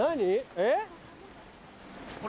えっ？